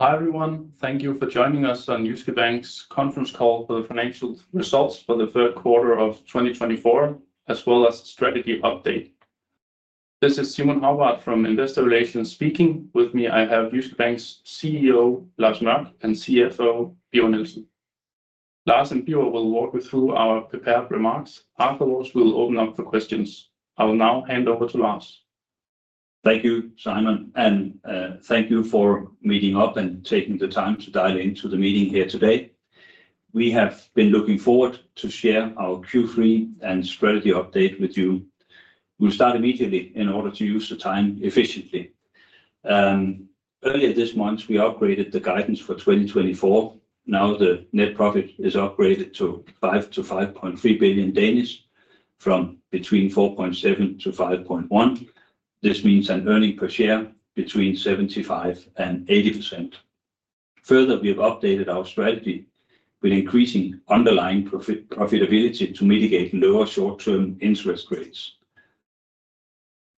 Hi everyone, thank you for joining us on Jyske Bank's conference call for the financial results for the Q3 of 2024, as well as the strategy update. This is Simon Hagbart from Investor Relations speaking. With me I have Jyske Bank's CEO, Lars Mørch, and CFO, Birger Nielsen. Lars and Birger will walk you through our prepared remarks. Afterwards, we'll open up for questions. I will now hand over to Lars. Thank you, Simon, and thank you for meeting up and taking the time to dial into the meeting here today. We have been looking forward to share our Q3 and strategy update with you. We'll start immediately in order to use the time efficiently. Earlier this month, we upgraded the guidance for 2024. Now the net profit is upgraded to 5-5.3 billion, from between 4.7-5.1 billion. This means an earnings per share between 75 and 80. Further, we've updated our strategy with increasing underlying profitability to mitigate lower short-term interest rates.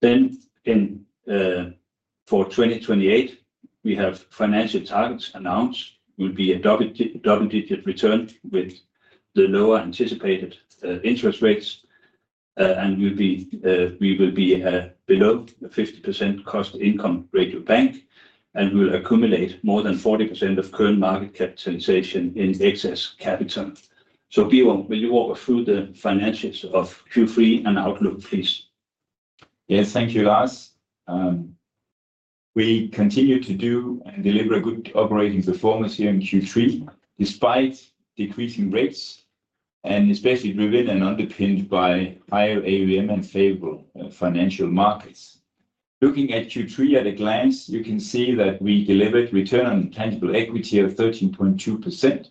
Then, for 2028, we have financial targets announced. We'll be a double-digit return with the lower anticipated interest rates, and we will be below a 50% cost-to-income ratio bank, and we'll accumulate more than 40% of current market capitalization in excess capital. So, Birger, will you walk us through the financials of Q3 and outlook, please? Yes, thank you, Lars. We continue to do and deliver good operating performance here in Q3, despite decreasing rates, and especially driven and underpinned by higher AUM and favorable financial markets. Looking at Q3 at a glance, you can see that we delivered return on tangible equity of 13.2%,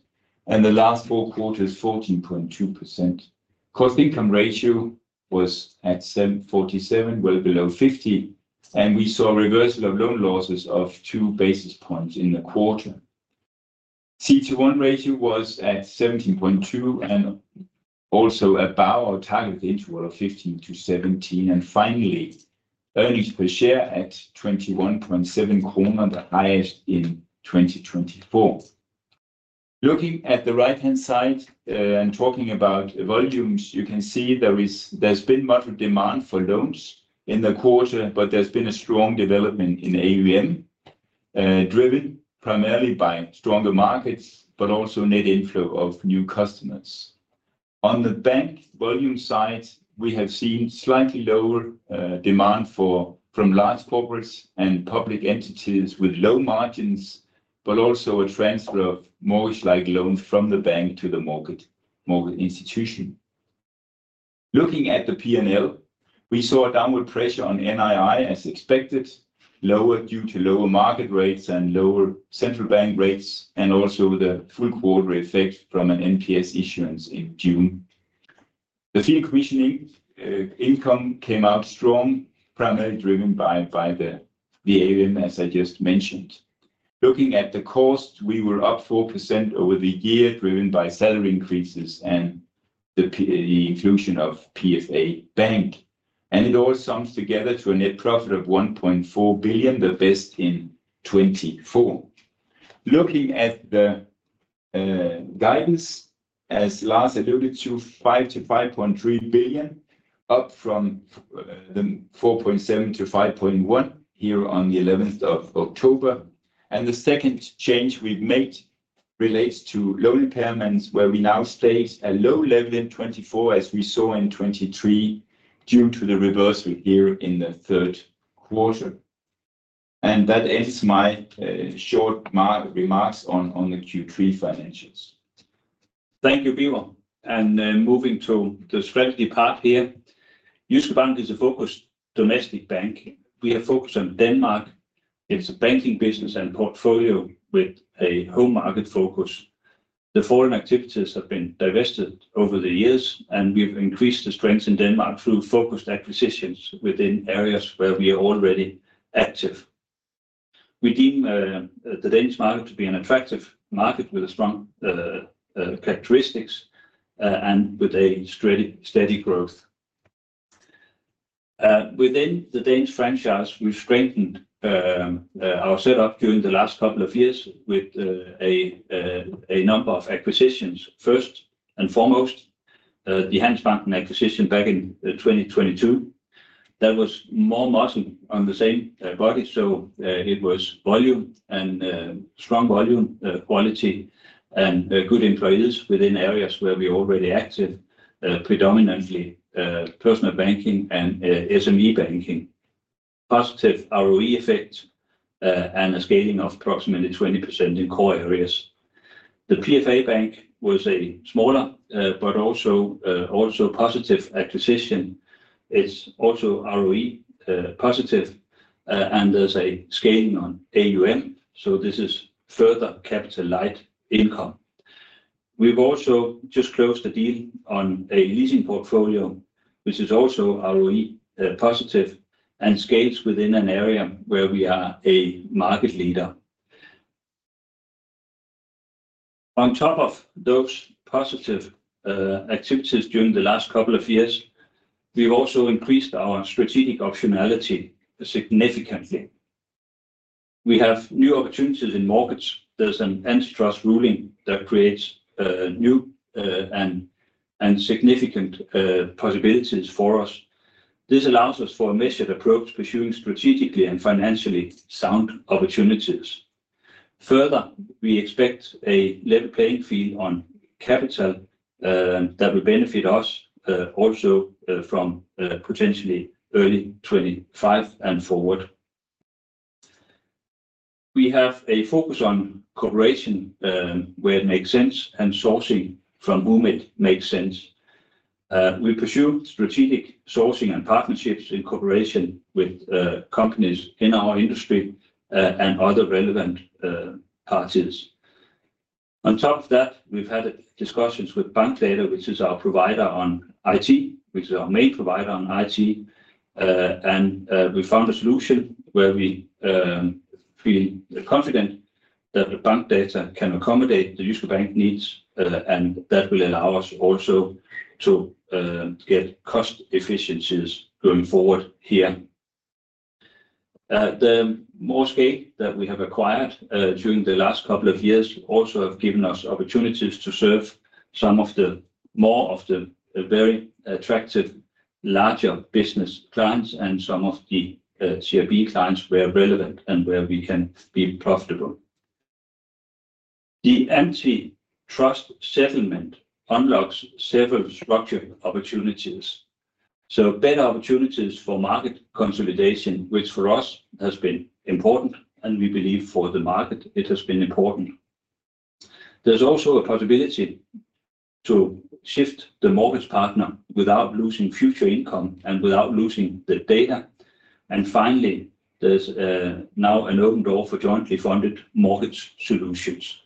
and the last four quarters, 14.2%. Cost-to-income ratio was at 47%, well below 50%, and we saw a reversal of loan losses of two basis points in the quarter. CET1 ratio was at 17.2%, and also above our target interval of 15% to 17%, and finally, earnings per share at 21.7, the highest in 2024. Looking at the right-hand side and talking about volumes, you can see there's been much demand for loans in the quarter, but there's been a strong development in AUM, driven primarily by stronger markets, but also net inflow of new customers. On the bank volume side, we have seen slightly lower demand from large corporates and public entities with low margins, but also a transfer of mortgage-like loans from the bank to the mortgage institution. Looking at the P&L, we saw downward pressure on NII, as expected, lower due to lower market rates and lower central bank rates, and also the full quarter effect from an NPS issuance in June. The fee and commission income came out strong, primarily driven by the AUM, as I just mentioned. Looking at the cost, we were up 4% over the year, driven by salary increases and the inclusion of PFA Bank, and it all sums together to a net profit of 1.4 billion, the best in 24. Looking at the guidance, as Lars alluded to, 5-5.3 billion, up from the 4.7-5.1 billion here on the 11th of October. The second change we've made relates to loan impairments, where we now stayed at a low level in 2024, as we saw in 2023, due to the reversal here in the Q3. That ends my short remarks on the Q3 financials. Thank you, Birger. Moving to the strategy part here, Jyske Bank is a focused domestic bank. We have focused on Denmark. It's a banking business and portfolio with a home market focus. The foreign activities have been divested over the years, and we've increased the strength in Denmark through focused acquisitions within areas where we are already active. We deem the Danish market to be an attractive market with strong characteristics and with a steady growth. Within the Danish franchise, we strengthened our setup during the last couple of years with a number of acquisitions. First and foremost, the Handelsbanken acquisition back in 2022. That was more muscle on the same body, so it was volume and strong volume, quality, and good employees within areas where we are already active, predominantly personal banking and SME banking. Positive ROE effect and a scaling of approximately 20% in core areas. The PFA Bank was a smaller, but also positive acquisition. It's also ROE positive, and there's a scaling on AUM, so this is further capital light income. We've also just closed a deal on a leasing portfolio, which is also ROE positive and scales within an area where we are a market leader. On top of those positive activities during the last couple of years, we've also increased our strategic optionality significantly. We have new opportunities in markets. There's an antitrust ruling that creates new and significant possibilities for us. This allows us for a measured approach pursuing strategically and financially sound opportunities. Further, we expect a level playing field on capital that will benefit us also from potentially early 2025 and forward. We have a focus on cooperation where it makes sense and sourcing from whom it makes sense. We pursue strategic sourcing and partnerships in cooperation with companies in our industry and other relevant parties. On top of that, we've had discussions with Bankdata, which is our provider on IT, which is our main provider on IT, and we found a solution where we feel confident that the Bankdata can accommodate the Jyske Bank needs, and that will allow us also to get cost efficiencies going forward here. The more scale that we have acquired during the last couple of years also has given us opportunities to serve some of the more of the very attractive larger business clients and some of the CIB clients where relevant and where we can be profitable. The antitrust settlement unlocks several structured opportunities, so better opportunities for market consolidation, which for us has been important, and we believe for the market it has been important. There's also a possibility to shift the mortgage partner without losing future income and without losing the data. And finally, there's now an open door for jointly funded mortgage solutions.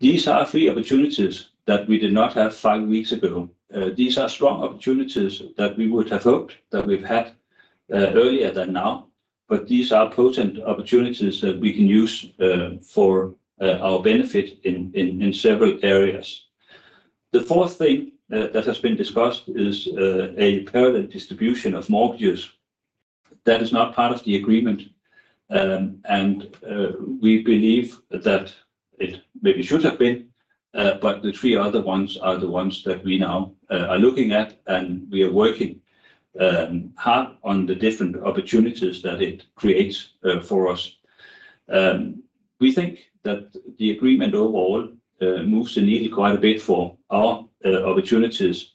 These are three opportunities that we did not have five weeks ago. These are strong opportunities that we would have hoped that we've had earlier than now, but these are potent opportunities that we can use for our benefit in several areas. The fourth thing that has been discussed is a parallel distribution of mortgages that is not part of the agreement, and we believe that it maybe should have been, but the three other ones are the ones that we now are looking at, and we are working hard on the different opportunities that it creates for us. We think that the agreement overall moves the needle quite a bit for our opportunities.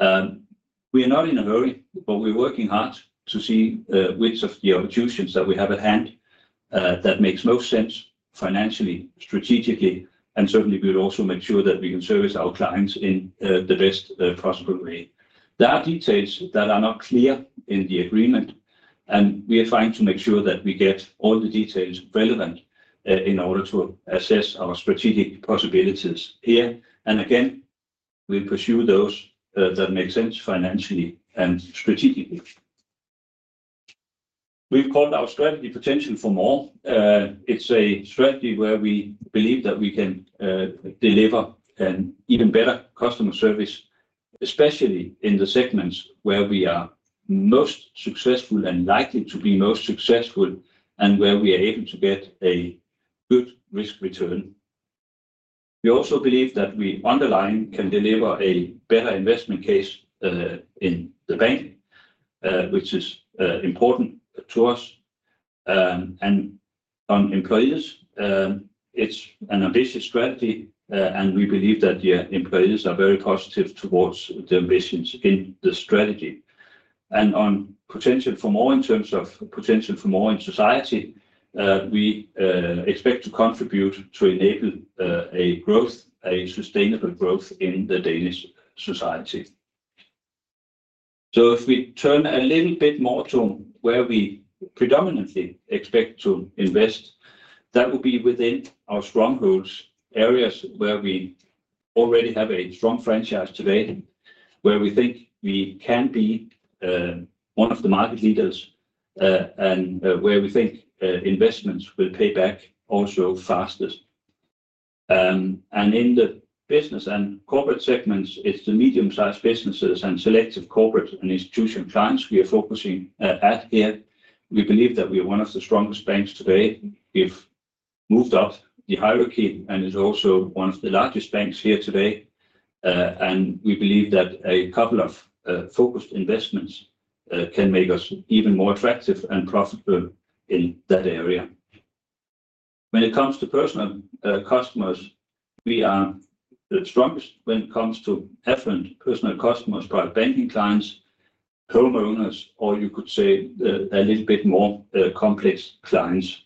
We are not in a hurry, but we're working hard to see which of the opportunities that we have at hand that makes most sense financially, strategically, and certainly we'll also make sure that we can service our clients in the best possible way. There are details that are not clear in the agreement, and we are trying to make sure that we get all the details relevant in order to assess our strategic possibilities here. Again, we'll pursue those that make sense financially and strategically. We've called our strategy Potential for More. It's a strategy where we believe that we can deliver an even better customer service, especially in the segments where we are most successful and likely to be most successful, and where we are able to get a good risk return. We also believe that we underlying can deliver a better investment case in the bank, which is important to us. On employees, it's an ambitious strategy, and we believe that the employees are very positive towards the ambitions in the strategy. On Potential for More in terms of Potential for More in society, we expect to contribute to enable a growth, a sustainable growth in the Danish society. So if we turn a little bit more to where we predominantly expect to invest, that would be within our strongholds, areas where we already have a strong franchise today, where we think we can be one of the market leaders, and where we think investments will pay back also fastest. And in the business and corporate segments, it's the medium-sized businesses and selective corporate and institutional clients we are focusing at here. We believe that we are one of the strongest banks today. We've moved up the hierarchy, and it's also one of the largest banks here today. And we believe that a couple of focused investments can make us even more attractive and profitable in that area. When it comes to personal customers, we are the strongest when it comes to affluent personal customers, private banking clients, homeowners, or you could say a little bit more complex clients.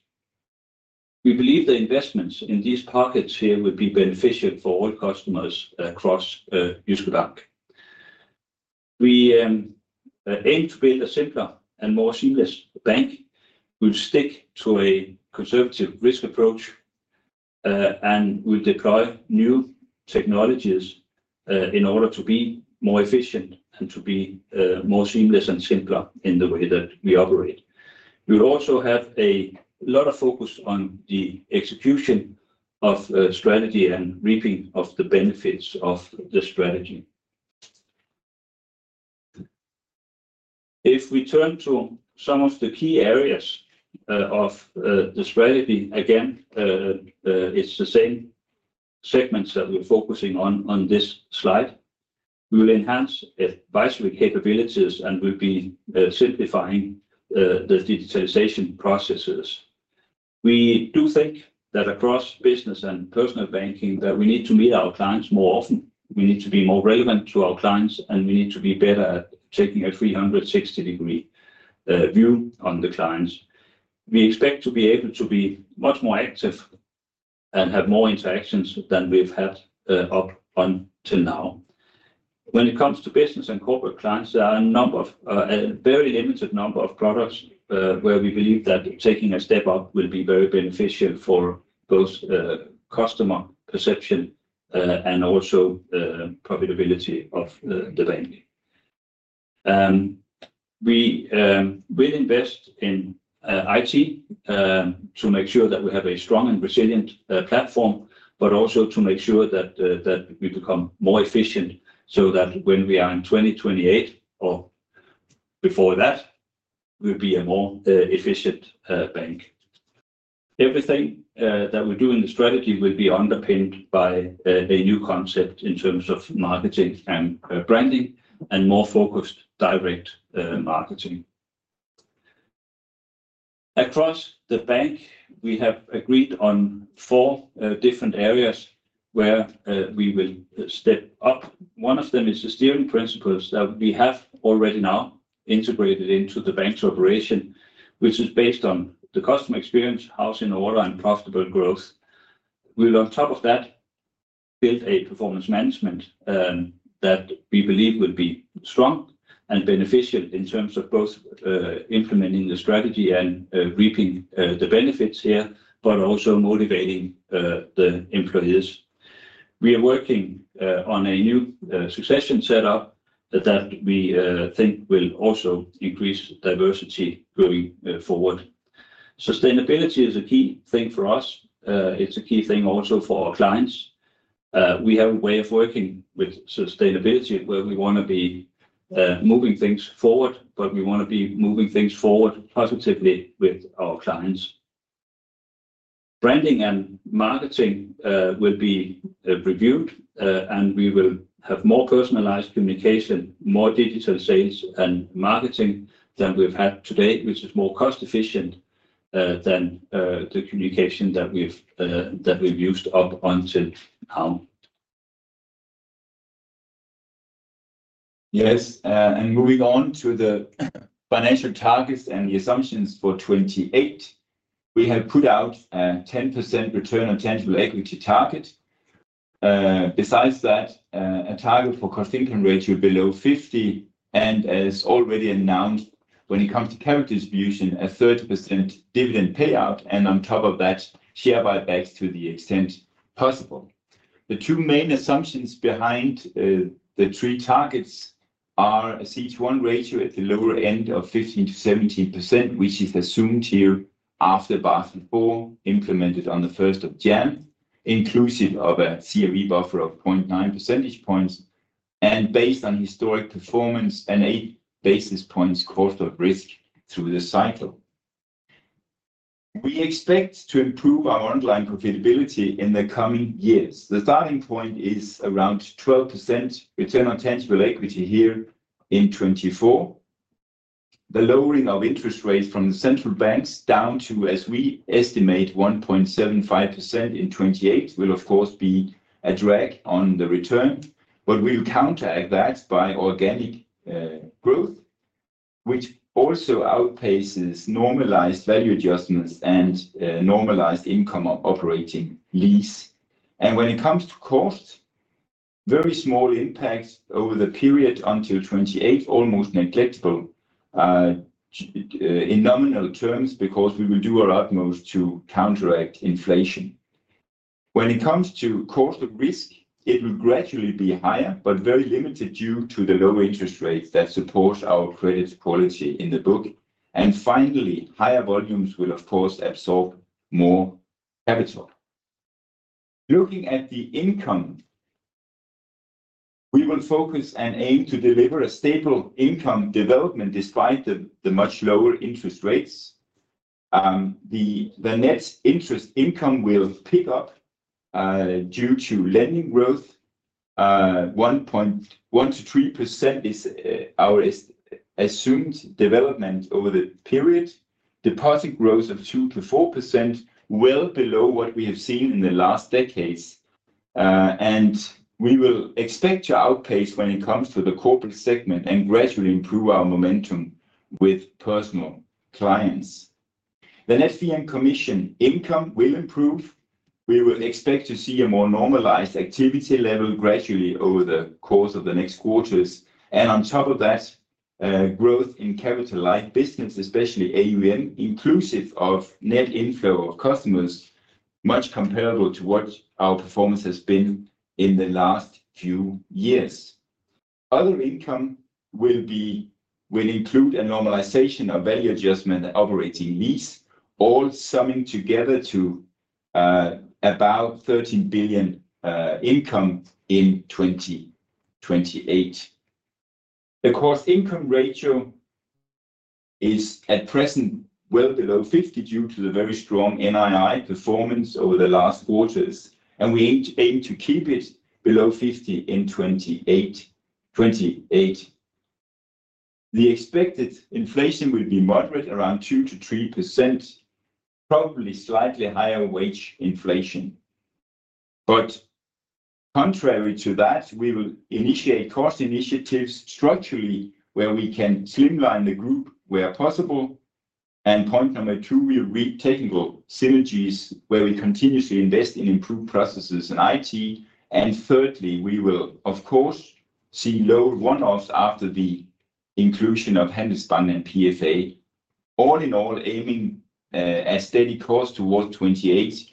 We believe the investments in these pockets here will be beneficial for all customers across Jyske Bank. We aim to build a simpler and more seamless bank. We'll stick to a conservative risk approach, and we'll deploy new technologies in order to be more efficient and to be more seamless and simpler in the way that we operate. We'll also have a lot of focus on the execution of strategy and reaping of the benefits of the strategy. If we turn to some of the key areas of the strategy, again, it's the same segments that we're focusing on on this slide. We will enhance advisory capabilities and will be simplifying the digitalization processes. We do think that across business and personal banking, that we need to meet our clients more often. We need to be more relevant to our clients, and we need to be better at taking a 360-degree view on the clients. We expect to be able to be much more active and have more interactions than we've had up until now. When it comes to business and corporate clients, there are a very limited number of products where we believe that taking a step up will be very beneficial for both customer perception and also profitability of the bank. We will invest in IT to make sure that we have a strong and resilient platform, but also to make sure that we become more efficient so that when we are in 2028 or before that, we'll be a more efficient bank. Everything that we do in the strategy will be underpinned by a new concept in terms of marketing and branding and more focused direct marketing. Across the bank, we have agreed on four different areas where we will step up. One of them is the steering principles that we have already now integrated into the bank's operation, which is based on the customer experience, house in order, and profitable growth. We will, on top of that, build a performance management that we believe will be strong and beneficial in terms of both implementing the strategy and reaping the benefits here, but also motivating the employees. We are working on a new succession setup that we think will also increase diversity going forward. Sustainability is a key thing for us. It's a key thing also for our clients. We have a way of working with sustainability where we want to be moving things forward, but we want to be moving things forward positively with our clients. Branding and marketing will be reviewed, and we will have more personalized communication, more digital sales and marketing than we've had today, which is more cost-efficient than the communication that we've used up until now. Yes, and moving on to the financial targets and the assumptions for 2028, we have put out a 10% return on tangible equity target. Besides that, a target for cost-to-income ratio will be below 50%, and as already announced, when it comes to capital distribution, a 30% dividend payout, and on top of that, share buybacks to the extent possible. The two main assumptions behind the three targets are a CET1 ratio at the lower end of 15%-17%, which is assumed here after Basel IV implemented on the 1st of January, inclusive of a CCyB buffer of 0.9 percentage points and based on historic performance and eight basis points cost of risk through the cycle. We expect to improve our underlying profitability in the coming years. The starting point is around 12% return on tangible equity here in 2024. The lowering of interest rates from the central banks down to, as we estimate, 1.75% in 2028 will, of course, be a drag on the return, but we'll counteract that by organic growth, which also outpaces normalized value adjustments and normalized income of operating lease. When it comes to cost, very small impact over the period until 28, almost negligible in nominal terms because we will do our utmost to counteract inflation. When it comes to cost of risk, it will gradually be higher, but very limited due to the low interest rates that support our credit quality in the book. Finally, higher volumes will, of course, absorb more capital. Looking at the income, we will focus and aim to deliver a stable income development despite the much lower interest rates. The net interest income will pick up due to lending growth. 1%-3% is our assumed development over the period. Deposit growth of 2%-4% well below what we have seen in the last decades. We will expect to outpace when it comes to the corporate segment and gradually improve our momentum with personal clients. net fee and commission income will improve. We will expect to see a more normalized activity level gradually over the course of the next quarters. And on top of that, growth in capital-light business, especially AUM, inclusive of net inflow of customers, much comparable to what our performance has been in the last few years. Other income will include a normalization of value adjustment operating lease, all summing together to about 13 billion income in 2028. The cost-to-income ratio is at present well below 50% due to the very strong NII performance over the last quarters, and we aim to keep it below 50% in 2028. The expected inflation will be moderate, around 2-3%, probably slightly higher wage inflation. But contrary to that, we will initiate cost initiatives structurally where we can streamline the group where possible. Point number two, we'll reap technical synergies where we continuously invest in improved processes in IT. Thirdly, we will, of course, see low one-offs after the inclusion of Handelsbanken and PFA. All in all, aiming a steady course towards 28,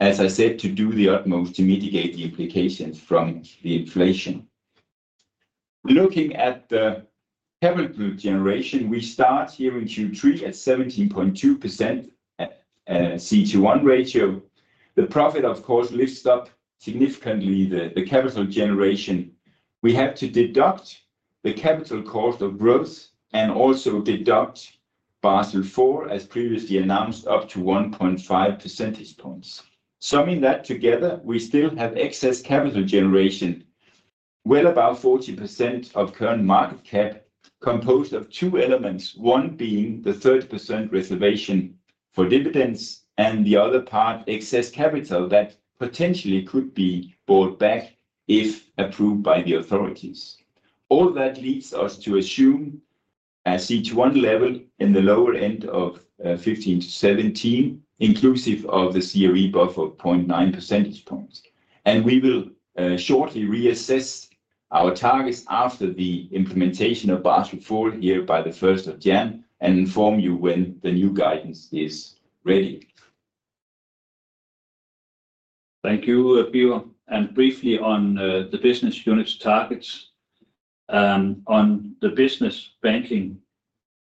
as I said, to do the utmost to mitigate the implications from the inflation. Looking at the capital generation, we start here in Q3 at 17.2% CET1 ratio. The profit, of course, lifts up significantly the capital generation. We have to deduct the capital cost of growth and also deduct Basel IV, as previously announced, up to 1.5 percentage points. Summing that together, we still have excess capital generation, well about 40% of current market cap, composed of two elements, one being the 30% reservation for dividends and the other part, excess capital that potentially could be bought back if approved by the authorities. All that leads us to assume a CET1 level in the lower end of 15%-17%, inclusive of the CCyB buffer of 0.9 percentage points. And we will shortly reassess our targets after the implementation of Basel IV here by the 1st of January and inform you when the new guidance is ready. Thank you, Birger Nielsen. And briefly on the business unit targets. On the business banking,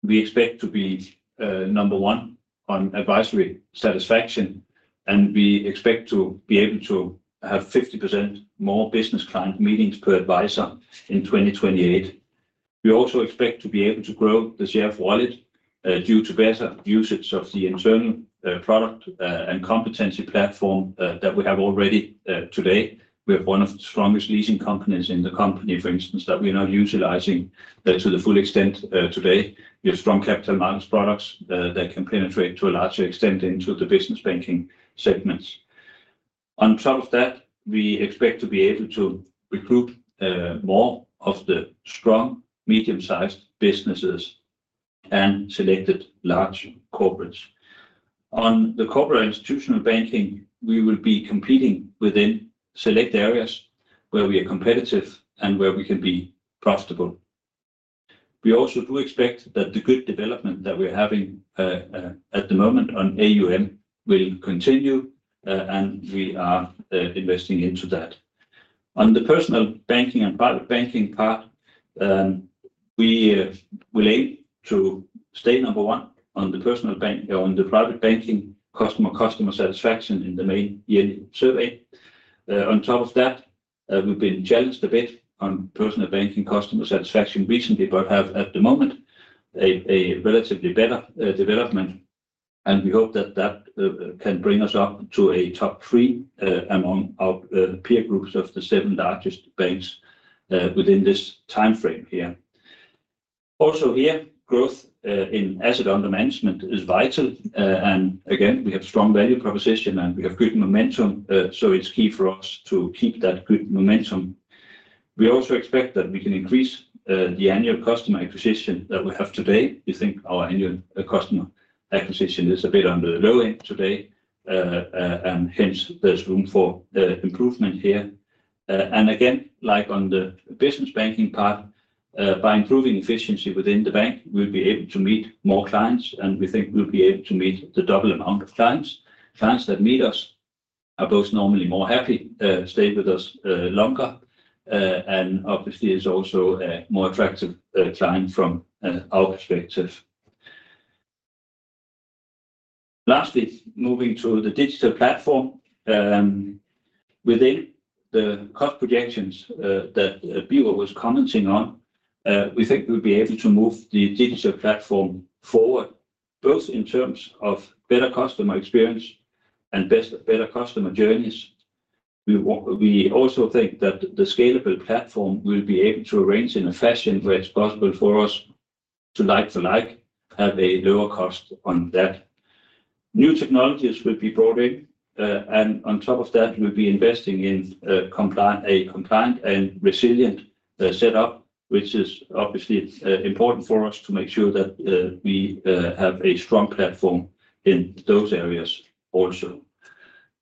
we expect to be number one on advisory satisfaction, and we expect to be able to have 50% more business client meetings per advisor in 2028. We also expect to be able to grow the share of wallet due to better usage of the internal product and competency platform that we have already today. We have one of the strongest leasing companies in the company, for instance, that we are not utilizing to the full extent today. We have strong capital markets products that can penetrate to a larger extent into the business banking segments. On top of that, we expect to be able to recruit more of the strong medium-sized businesses and selected large corporates. On the corporate institutional banking, we will be competing within select areas where we are competitive and where we can be profitable. We also do expect that the good development that we're having at the moment on AUM will continue, and we are investing into that. On the personal banking and private banking part, we will aim to stay number one on the personal bank or on the private banking customer satisfaction in the main year survey. On top of that, we've been challenged a bit on personal banking customer satisfaction recently, but have at the moment a relatively better development. We hope that that can bring us up to a top three among our peer groups of the seven largest banks within this timeframe here. Also here, growth in assets under management is vital. Again, we have strong value proposition and we have good momentum, so it's key for us to keep that good momentum. We also expect that we can increase the annual customer acquisition that we have today. We think our annual customer acquisition is a bit on the low end today, and hence there's room for improvement here. Again, like on the business banking part, by improving efficiency within the bank, we'll be able to meet more clients, and we think we'll be able to meet the double amount of clients. Clients that meet us are both normally more happy, stay with us longer, and obviously it's also a more attractive client from our perspective. Lastly, moving to the digital platform, within the cost projections that Birger was commenting on, we think we'll be able to move the digital platform forward, both in terms of better customer experience and better customer journeys. We also think that the scalable platform will be able to arrange in a fashion where it's possible for us to like for like, have a lower cost on that. New technologies will be brought in, and on top of that, we'll be investing in a compliant and resilient setup, which is obviously important for us to make sure that we have a strong platform in those areas also.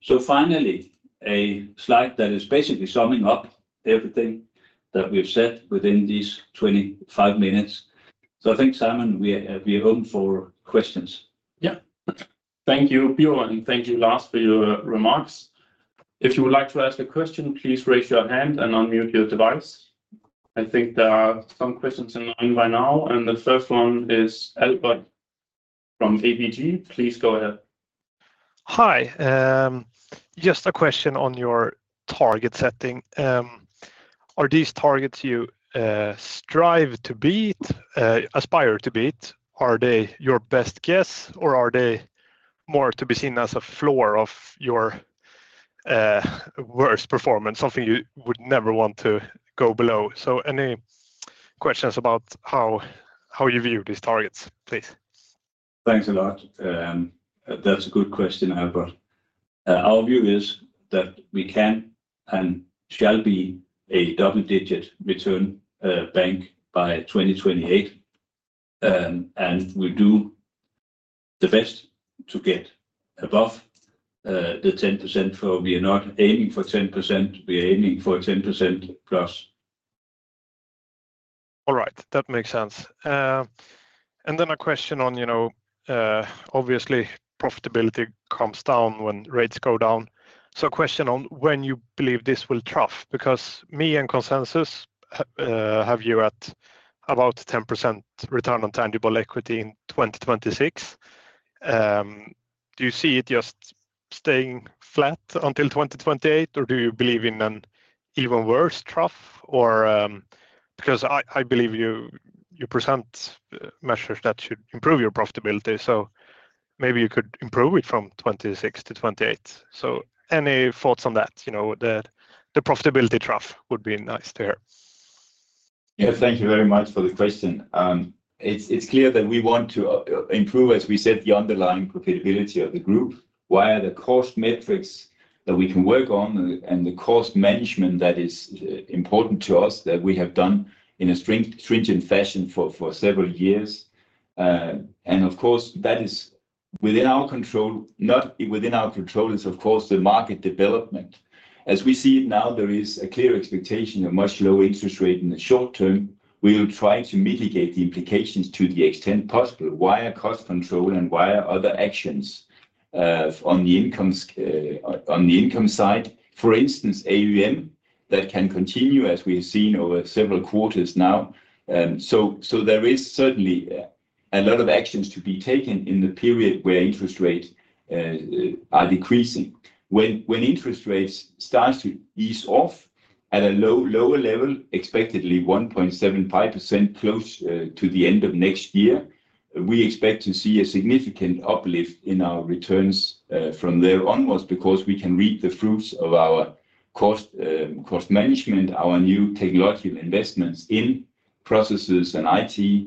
So finally, a slide that is basically summing up everything that we've said within these 25 minutes. So I think, Simon, we are open for questions. Yeah. Thank you, Birger, and thank you, Lars, for your remarks. If you would like to ask a question, please raise your hand and unmute your device. I think there are some questions in line by now, and the first one is Albert from ABG. Please go ahead. Hi. Just a question on your target setting. Are these targets you strive to beat, aspire to beat? Are they your best guess, or are they more to be seen as a floor of your worst performance, something you would never want to go below? So any questions about how you view these targets, please? Thanks a lot. That's a good question, Albert. Our view is that we can and shall be a double-digit return bank by 2028, and we'll do the best to get above the 10%. We are not aiming for 10%. We are aiming for 10% plus. All right. That makes sense. And then a question on, obviously, profitability comes down when rates go down. So a question on when you believe this will trough, because me and Consensus have you at about 10% return on tangible equity in 2026. Do you see it just staying flat until 2028, or do you believe in an even worse trough? Because I believe you present measures that should improve your profitability, so maybe you could improve it from 2026 to 2028. So any thoughts on that? The profitability trough would be nice to hear. Yes, thank you very much for the question. It's clear that we want to improve, as we said, the underlying profitability of the group, via the cost metrics that we can work on and the cost management that is important to us, that we have done in a stringent fashion for several years. And of course, that is within our control. Not within our control is, of course, the market development. As we see it now, there is a clear expectation of much lower interest rate in the short term. We will try to mitigate the implications to the extent possible via cost control and via other actions on the income side. For instance, AUM, that can continue as we have seen over several quarters now. So there is certainly a lot of actions to be taken in the period where interest rates are decreasing. When interest rates start to ease off at a lower level, expectedly 1.75% close to the end of next year, we expect to see a significant uplift in our returns from there onwards because we can reap the fruits of our cost management, our new technological investments in processes and IT,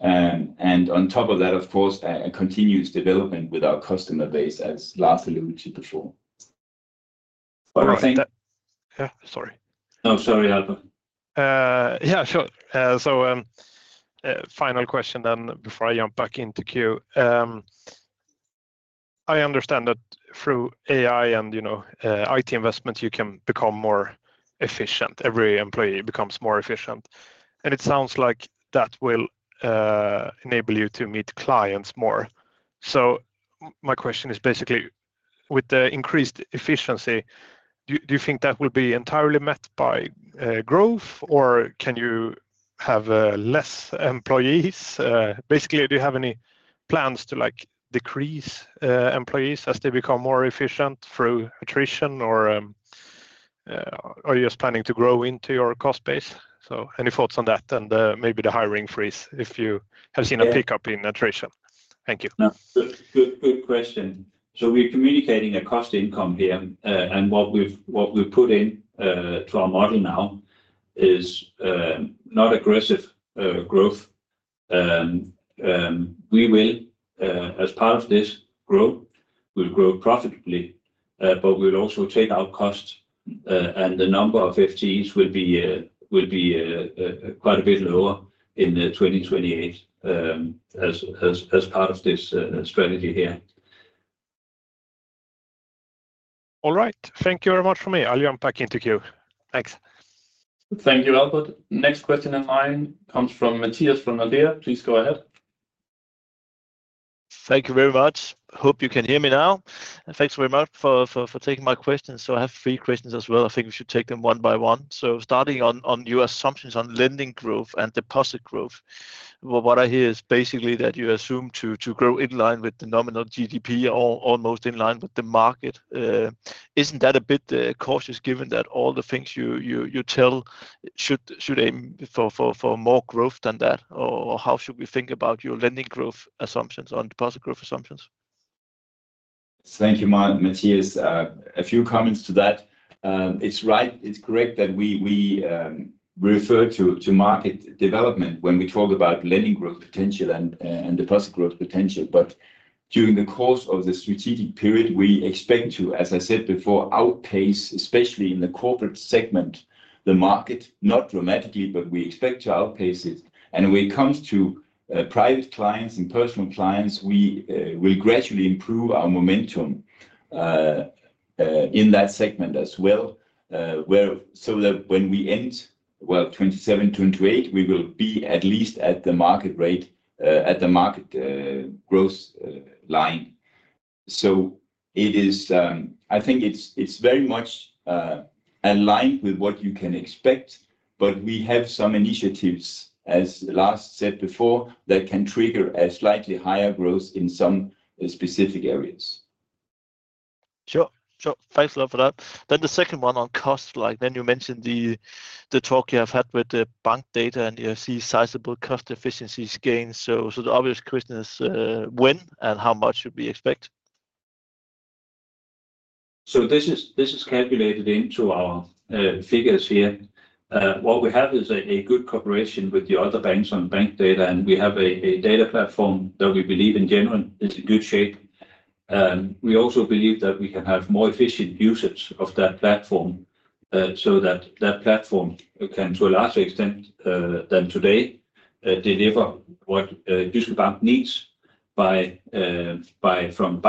and on top of that, of course, a continuous development with our customer base, as Lars alluded to before. Yeah, sorry. Oh, sorry, Albert. Yeah, sure, so final question then before I jump back into Q. I understand that through AI and IT investment, you can become more efficient. Every employee becomes more efficient, and it sounds like that will enable you to meet clients more, so my question is basically, with the increased efficiency, do you think that will be entirely met by growth, or can you have less employees? Basically, do you have any plans to decrease employees as they become more efficient through attrition, or are you just planning to grow into your cost base? So any thoughts on that and maybe the hiring freeze if you have seen a pickup in attrition? Thank you. Good question. So we're communicating a cost/income ratio here, and what we've put into our model now is not aggressive growth. We will, as part of this, grow. We'll grow profitably, but we'll also take out costs, and the number of FTEs will be quite a bit lower in 2028 as part of this strategy here. All right. Thank you very much for me. I'll jump back into Q. Thanks. Thank you, Albert. Next question in line comes from Mathias from Nordea. Please go ahead. Thank you very much. Hope you can hear me now. Thanks very much for taking my questions. I have three questions as well. I think we should take them one by one. Starting on your assumptions on lending growth and deposit growth, what I hear is basically that you assume to grow in line with the nominal GDP, almost in line with the market. Isn't that a bit cautious given that all the things you tell should aim for more growth than that? Or how should we think about your lending growth assumptions on deposit growth assumptions? Thank you, Mathias. A few comments to that. It's right. It's correct that we refer to market development when we talk about lending growth potential and deposit growth potential. But during the course of the strategic period, we expect to, as I said before, outpace, especially in the corporate segment, the market, not dramatically, but we expect to outpace it. When it comes to private clients and personal clients, we will gradually improve our momentum in that segment as well, so that when we end, well, 2027, 2028, we will be at least at the market rate, at the market growth line. I think it's very much aligned with what you can expect, but we have some initiatives, as Lars said before, that can trigger a slightly higher growth in some specific areas. Sure. Sure. Thanks a lot for that. The second one on cost, like then you mentioned the talk you have had with Bankdata and you see sizable cost efficiency gains. The obvious question is, when and how much should we expect? This is calculated into our figures here. What we have is a good cooperation with the other banks on Bankdata, and we have a data platform that we believe in general is in good shape. We also believe that we can have more efficient usage of that platform so that that platform can, to a larger extent than today, deliver what Jyske Bank needs from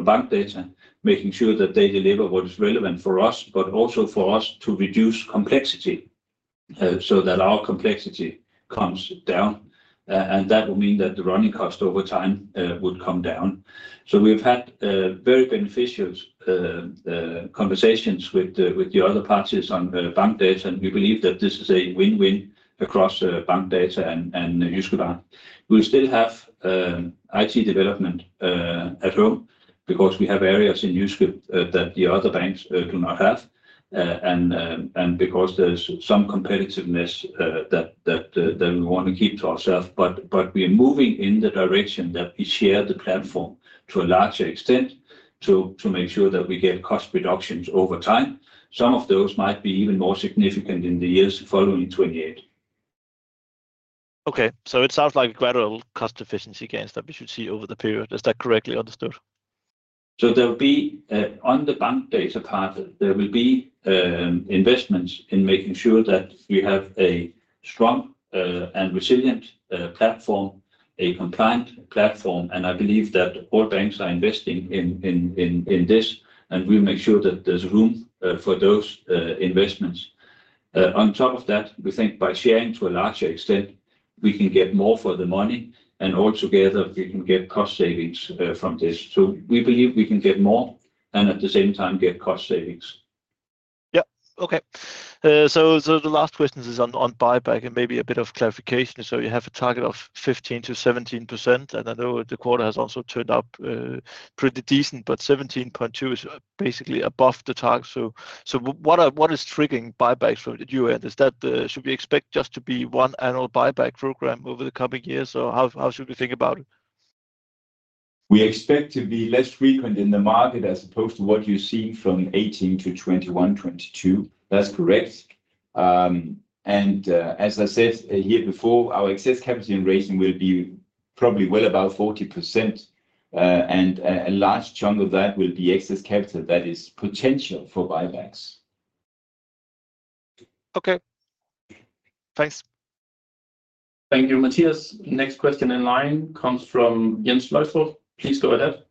Bankdata, making sure that they deliver what is relevant for us, but also for us to reduce complexity so that our complexity comes down, and that will mean that the running cost over time would come down, so we've had very beneficial conversations with the other parties on Bankdata, and we believe that this is a win-win across Bankdata and Jyske Bank. We'll still have IT development at home because we have areas in Bankdata that the other banks do not have, and because there's some competitiveness that we want to keep to ourselves. But we are moving in the direction that we share the platform to a larger extent to make sure that we get cost reductions over time. Some of those might be even more significant in the years following 2028. Okay. So it sounds like gradual cost efficiency gains that we should see over the period. Is that correctly understood? So there will be, on the Bankdata part, there will be investments in making sure that we have a strong and resilient platform, a compliant platform, and I believe that all banks are investing in this, and we'll make sure that there's room for those investments. On top of that, we think by sharing to a larger extent, we can get more for the money, and altogether, we can get cost savings from this. So we believe we can get more and at the same time get cost savings. Yeah. Okay. So the last question is on buyback and maybe a bit of clarification. So you have a target of 15%-17%, and I know the quarter has also turned out pretty decent, but 17.2% is basically above the target. So what is triggering buybacks from now on? Should we expect just to be one annual buyback program over the coming years, or how should we think about it? We expect to be less frequent in the market as opposed to what you're seeing from 2018 to 2021, 2022. That's correct. And as I said here before, our excess capital in raising will be probably well above 40%, and a large chunk of that will be excess capital that is potential for buybacks. Okay. Thanks. Thank you, Mathias. Next question in line comes from Jens Løgstrup. Please go ahead.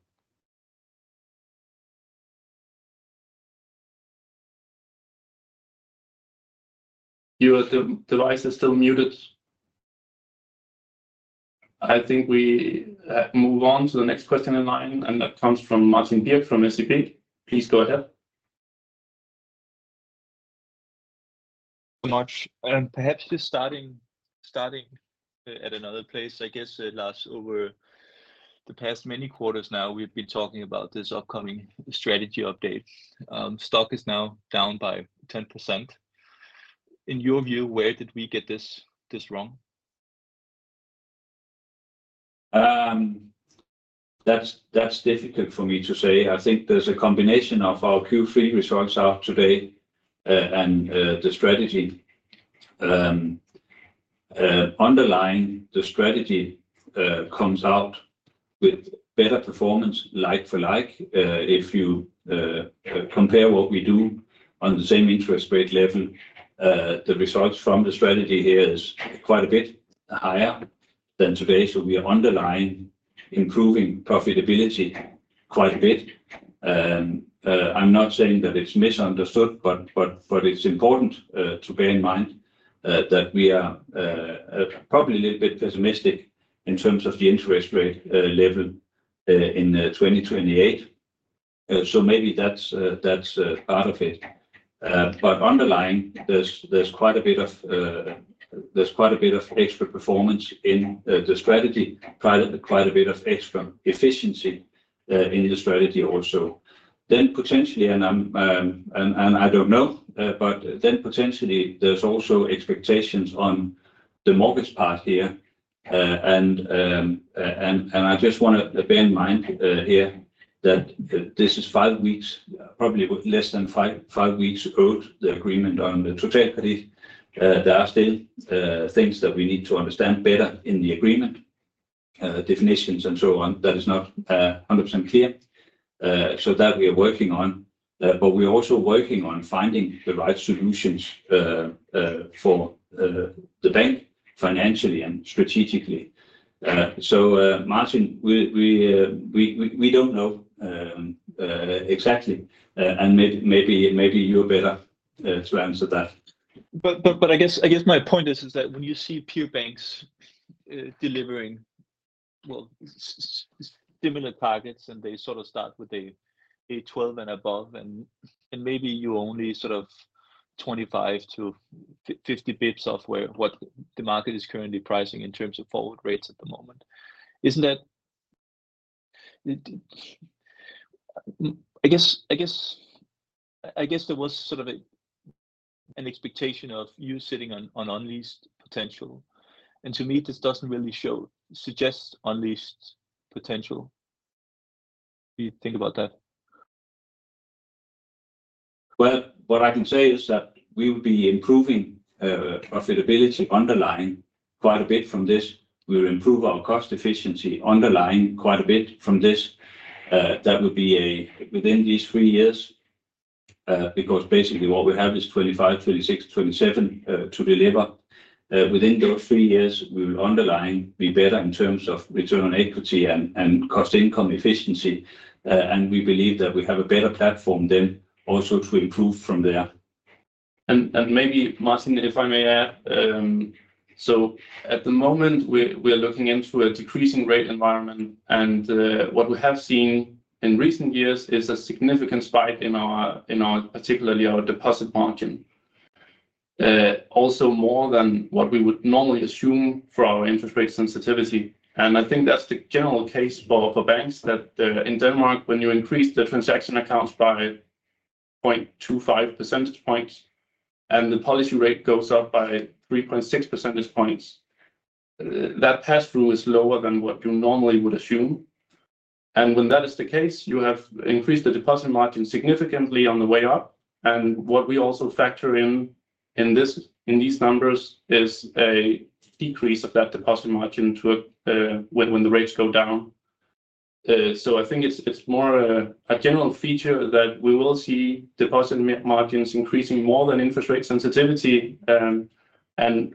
Your device is still muted. I think we move on to the next question in line, and that comes from Martin Birk from SEB. Please go ahead. Thanks so much. And perhaps just starting at another place, I guess, Lars, over the past many quarters now, we've been talking about this upcoming strategy update. Stock is now down by 10%. In your view, where did we get this wrong? That's difficult for me to say. I think there's a combination of our Q3 results out today and the strategy. Underlying the strategy comes out with better performance like for like. If you compare what we do on the same interest rate level, the results from the strategy here is quite a bit higher than today. So we are underlying improving profitability quite a bit. I'm not saying that it's misunderstood, but it's important to bear in mind that we are probably a little bit pessimistic in terms of the interest rate level in 2028. So maybe that's part of it. But underlying, there's quite a bit of extra performance in the strategy, quite a bit of extra efficiency in the strategy also. Then potentially, and I don't know, but then potentially there's also expectations on the mortgage part here. And I just want to bear in mind here that this is five weeks, probably less than five weeks old, the agreement on the Totalkredit. There are still things that we need to understand better in the agreement, definitions, and so on. That is not 100% clear. So that we are working on, but we're also working on finding the right solutions for the bank financially and strategically. So Martin, we don't know exactly, and maybe you're better to answer that. But I guess my point is that when you see pure banks delivering, well, similar targets, and they sort of start with a 12 and above, and maybe you only sort of 25 to 50 basis points off where what the market is currently pricing in terms of forward rates at the moment. Isn't that? I guess there was sort of an expectation of you sitting on unleashed potential. And to me, this doesn't really suggest unleashed potential. Do you think about that? What I can say is that we would be improving profitability underlying quite a bit from this. We'll improve our cost efficiency underlying quite a bit from this. That would be within these three years because basically what we have is 2025, 2026, 2027 to deliver. Within those three years, we will underlying be better in terms of return on equity and cost income efficiency. We believe that we have a better platform then also to improve from there. Maybe, Martin, if I may add, so at the moment, we are looking into a decreasing rate environment, and what we have seen in recent years is a significant spike in our, particularly our deposit margin, also more than what we would normally assume for our interest rate sensitivity. I think that's the general case for banks that in Denmark, when you increase the transaction accounts by 0.25 percentage points and the policy rate goes up by 3.6 percentage points, that pass-through is lower than what you normally would assume. When that is the case, you have increased the deposit margin significantly on the way up. What we also factor in in these numbers is a decrease of that deposit margin when the rates go down. I think it's more a general feature that we will see deposit margins increasing more than interest rate sensitivity, and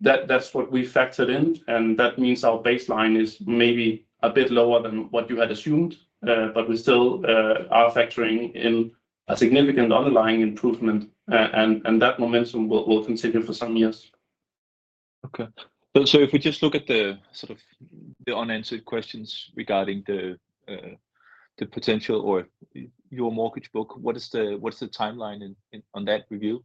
that's what we factored in. That means our baseline is maybe a bit lower than what you had assumed, but we still are factoring in a significant underlying improvement, and that momentum will continue for some years. Okay. If we just look at sort of the unanswered questions regarding the potential for your mortgage book, what's the timeline on that review?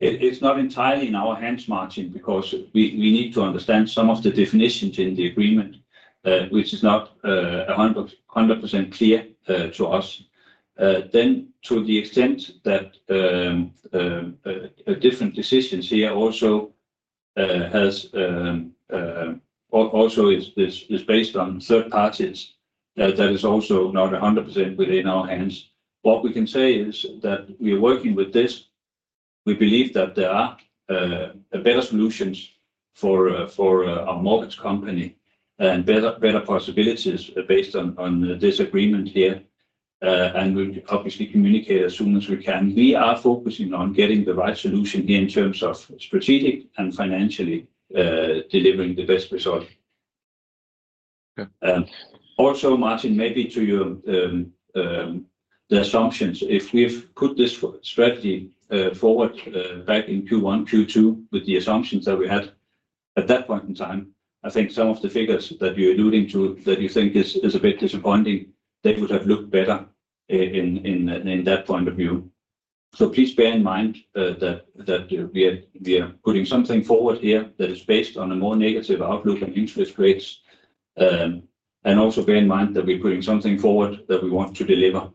It's not entirely in our hands, Martin, because we need to understand some of the definitions in the agreement, which is not 100% clear to us. To the extent that different decisions here also is based on third parties, that is also not 100% within our hands. What we can say is that we are working with this. We believe that there are better solutions for our mortgage company and better possibilities based on this agreement here. We'll obviously communicate as soon as we can. We are focusing on getting the right solution here in terms of strategic and financially delivering the best result. Also, Martin, maybe to your assumptions, if we've put this strategy forward back in Q1, Q2 with the assumptions that we had at that point in time, I think some of the figures that you're alluding to that you think is a bit disappointing, they would have looked better in that point of view. So please bear in mind that we are putting something forward here that is based on a more negative outlook on interest rates. And also bear in mind that we're putting something forward that we want to deliver.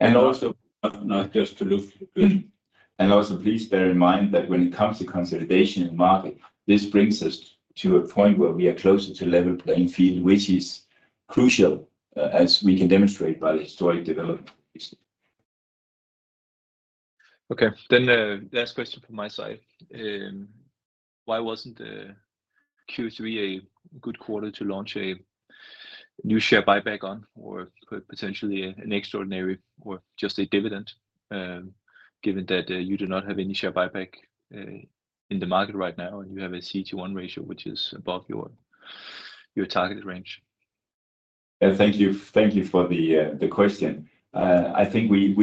And also not just to look. And also please bear in mind that when it comes to consolidation in market, this brings us to a point where we are closer to level playing field, which is crucial as we can demonstrate by the historic development. Okay. Then last question from my side. Why wasn't Q3 a good quarter to launch a new share buyback on, or potentially an extraordinary, or just a dividend, given that you do not have any share buyback in the market right now, and you have a CET1 ratio, which is above your target range? Thank you for the question. I think we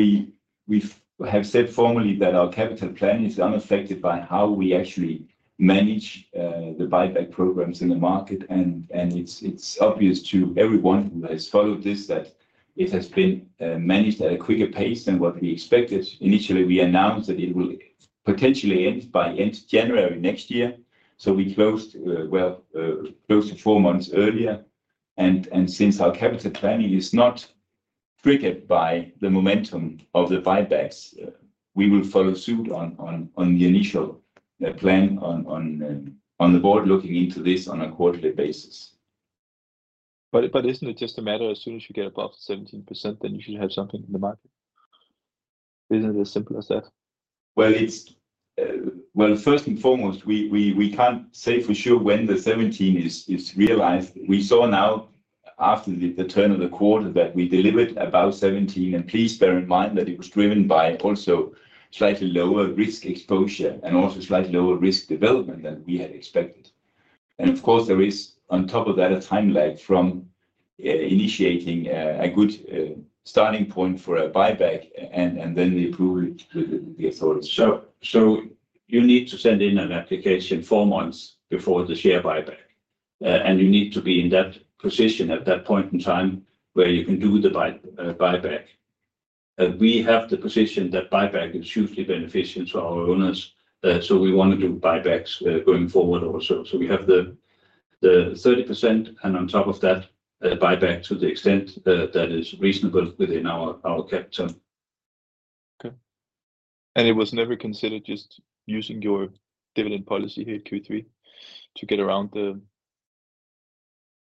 have said formally that our capital plan is unaffected by how we actually manage the buyback programs in the market. And it's obvious to everyone who has followed this that it has been managed at a quicker pace than what we expected. Initially, we announced that it will potentially end by end of January next year. So we closed close to four months earlier. Since our capital planning is not triggered by the momentum of the buybacks, we will follow suit on the initial plan on the board looking into this on a quarterly basis. Isn't it just a matter as soon as you get above 17%, then you should have something in the market? Isn't it as simple as that? First and foremost, we can't say for sure when the 17 is realized. We saw now after the turn of the quarter that we delivered above 17. Please bear in mind that it was driven by also slightly lower risk exposure and also slightly lower risk development than we had expected. Of course, there is on top of that a time lag from initiating a good starting point for a buyback and then the approval with the authorities. So you need to send in an application four months before the share buyback. And you need to be in that position at that point in time where you can do the buyback. We have the position that buyback is hugely beneficial to our owners. So we want to do buybacks going forward also. So we have the 30% and on top of that, a buyback to the extent that is reasonable within our capital. Okay. And it was never considered just using your dividend policy here Q3 to get around the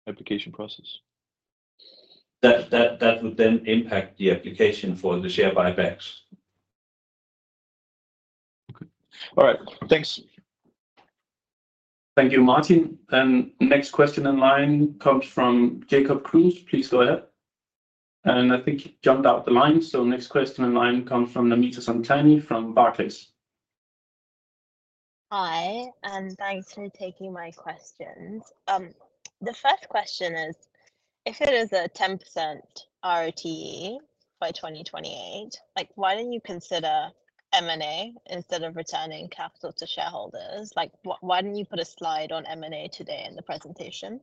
application process? That would then impact the application for the share buybacks. Okay. All right. Thanks. Thank you, Martin. And next question in line comes from Jacob Kruse. Please go ahead. And I think he jumped out the line. So next question in line comes from Namita Samtani from Barclays. Hi. And thanks for taking my questions. The first question is, if it is a 10% ROTE by 2028, why don't you consider M&A instead of returning capital to shareholders? Why didn't you put a slide on M&A today in the presentation?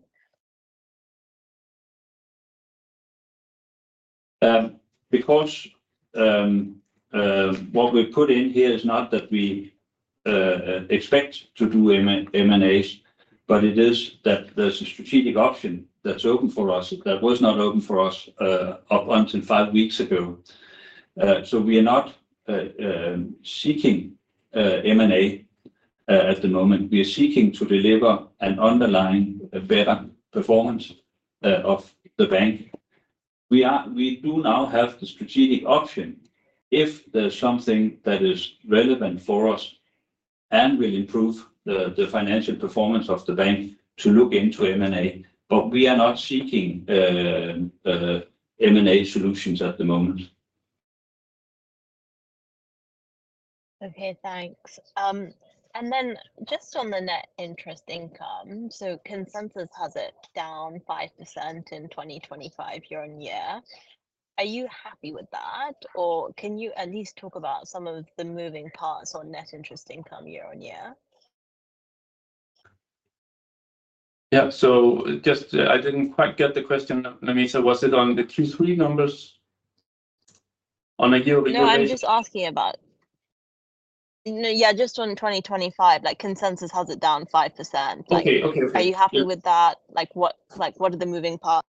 Because what we put in here is not that we expect to do M&As, but it is that there's a strategic option that's open for us that was not open for us up until five weeks ago. So we are not seeking M&A at the moment. We are seeking to deliver an underlying better performance of the bank. We do now have the strategic option if there's something that is relevant for us and will improve the financial performance of the bank to look into M&A. But we are not seeking M&A solutions at the moment. Okay. Thanks. And then just on the net interest income, so consensus has it down 5% in 2025 year-on-year. Are you happy with that? Or can you at least talk about some of the moving parts on net interest income year-on-year? Yeah. So I didn't quite get the question, Namita. Was it on the Q3 numbers? On a year-over-year basis? Yeah. I'm just asking about yeah, just on 2025, consensus has it down 5%. Are you happy with that? What are the moving parts?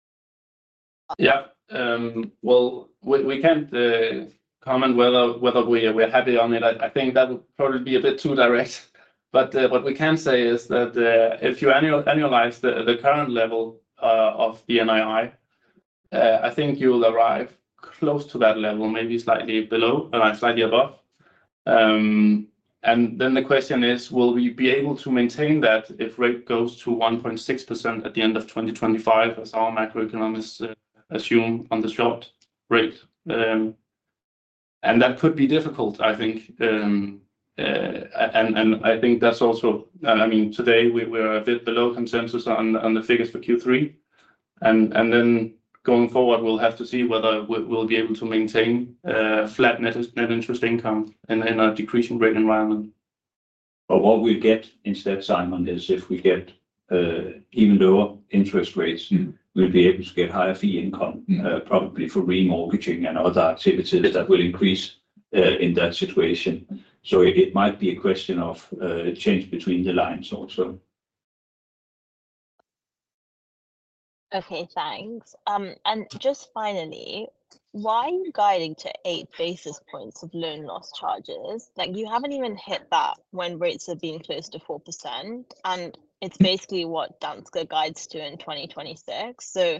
Yeah. Well, we can't comment whether we're happy on it. I think that would probably be a bit too direct. But what we can say is that if you annualize the current level of the NII, I think you'll arrive close to that level, maybe slightly below or slightly above. Then the question is, will we be able to maintain that if rate goes to 1.6% at the end of 2025, as our macroeconomists assume on the short rate? That could be difficult, I think. I think that's also I mean, today, we're a bit below consensus on the figures for Q3. Then going forward, we'll have to see whether we'll be able to maintain flat net interest income in a decreasing rate environment. But what we'll get instead, Simon, is if we get even lower interest rates, we'll be able to get higher fee income, probably for remortgaging and other activities that will increase in that situation. So it might be a question of change between the lines also. Okay. Thanks. Just finally, why are you guiding to eight basis points of loan loss charges? You haven't even hit that when rates have been close to 4%, and it's basically what Danske guides to in 2026, so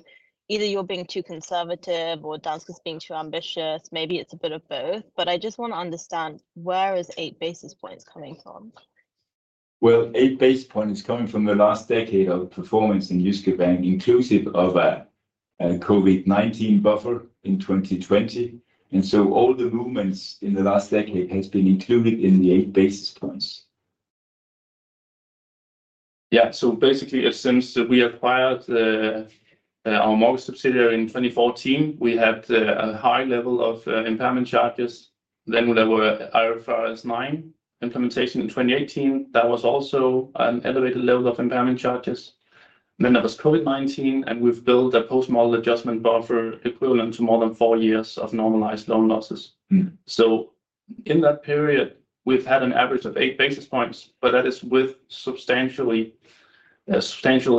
either you're being too conservative or Danske's being too ambitious. Maybe it's a bit of both, but I just want to understand where is eight basis points coming from? Well, eight basis points is coming from the last decade of performance in Jyske Bank, inclusive of a COVID-19 buffer in 2020, and so all the movements in the last decade have been included in the eight basis points. Yeah, so basically, since we acquired our mortgage subsidiary in 2014, we had a high level of impairment charges, then there were IFRS 9 implementations in 2018. That was also an elevated level of impairment charges, then there was COVID-19, and we've built a post-model adjustment buffer equivalent to more than four years of normalized loan losses. So in that period, we've had an average of eight basis points, but that is with substantial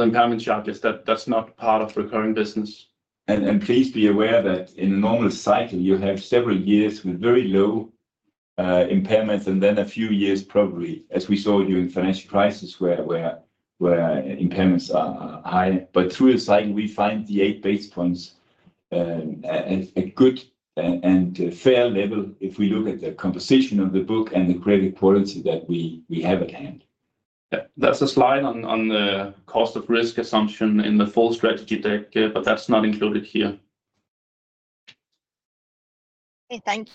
impairment charges. That's not part of recurring business, And please be aware that in a normal cycle, you have several years with very low impairments and then a few years probably, as we saw during the financial crisis, where impairments are high, but through the cycle, we find the eight basis points at a good and fair level if we look at the composition of the book and the credit quality that we have at hand. That's a slide on the cost of risk assumption in the full strategy deck, but that's not included here. Okay. Thank you.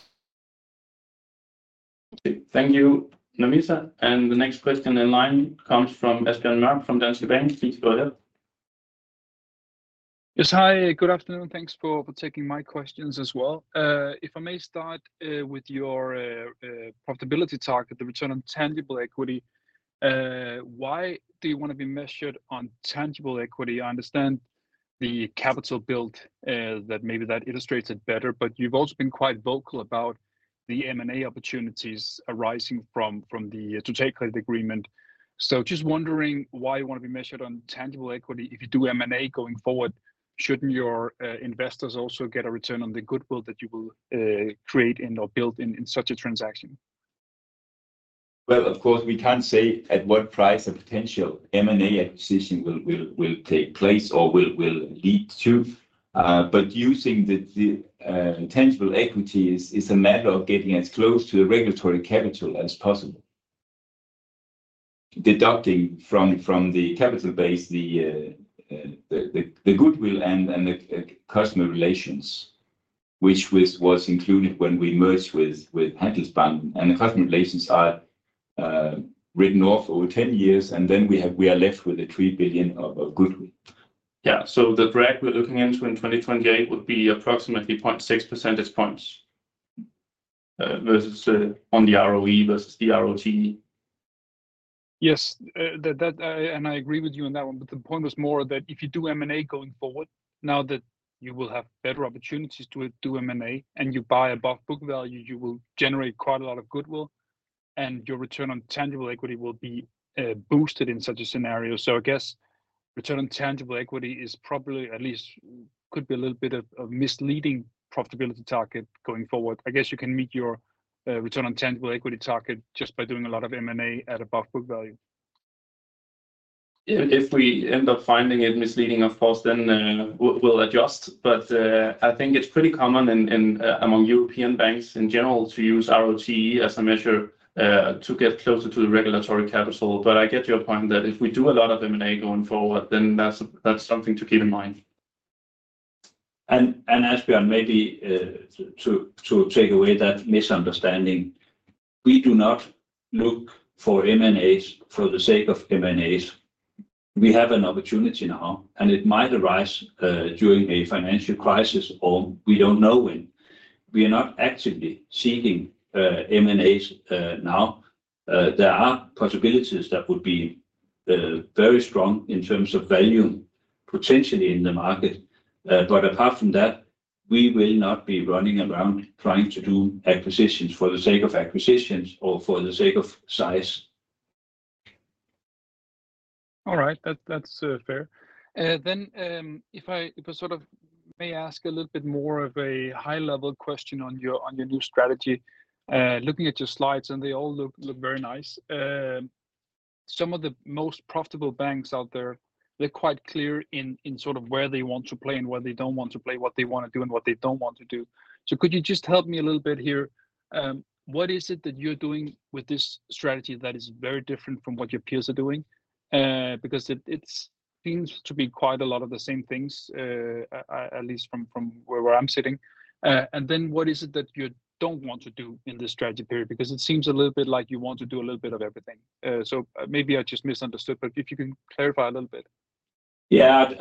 Thank you, Namita, and the next question in line comes from Asbjørn Mørk from Danske Bank. Please go ahead. Yes. Hi. Good afternoon. Thanks for taking my questions as well. If I may start with your profitability target, the return on tangible equity, why do you want to be measured on tangible equity? I understand the capital build, that maybe that illustrates it better. But you've also been quite vocal about the M&A opportunities arising from the Totalkredit Agreement. So just wondering why you want to be measured on tangible equity if you do M&A going forward. Shouldn't your investors also get a return on the goodwill that you will create and/or build in such a transaction? Well, of course, we can't say at what price a potential M&A acquisition will take place or will lead to. But using the tangible equity is a matter of getting as close to the regulatory capital as possible, deducting from the capital base the goodwill and the customer relations, which was included when we merged with Handelsbanken. The customer relations are written off over 10 years, and then we are left with 3 billion of goodwill. Yeah. The break we're looking into in 2028 would be approximately 0.6 percentage points on the ROE versus the ROTE. Yes. I agree with you on that one. The point was more that if you do M&A going forward, now that you will have better opportunities to do M&A and you buy above book value, you will generate quite a lot of goodwill, and your return on tangible equity will be boosted in such a scenario. I guess return on tangible equity is probably at least could be a little bit of a misleading profitability target going forward. I guess you can meet your return on tangible equity target just by doing a lot of M&A at above book value. If we end up finding it misleading, of course, then we'll adjust. But I think it's pretty common among European banks in general to use ROTE as a measure to get closer to the regulatory capital. But I get your point that if we do a lot of M&A going forward, then that's something to keep in mind. And Asbjørn, maybe to take away that misunderstanding, we do not look for M&As for the sake of M&As. We have an opportunity now, and it might arise during a financial crisis, or we don't know when. We are not actively seeking M&As now. There are possibilities that would be very strong in terms of value, potentially in the market. But apart from that, we will not be running around trying to do acquisitions for the sake of acquisitions or for the sake of size. All right. That's fair. Then if I sort of may ask a little bit more of a high-level question on your new strategy, looking at your slides, and they all look very nice. Some of the most profitable banks out there, they're quite clear in sort of where they want to play and where they don't want to play, what they want to do, and what they don't want to do. So could you just help me a little bit here? What is it that you're doing with this strategy that is very different from what your peers are doing? Because it seems to be quite a lot of the same things, at least from where I'm sitting. And then what is it that you don't want to do in this strategy period? Because it seems a little bit like you want to do a little bit of everything. So maybe I just misunderstood, but if you can clarify a little bit. Yeah.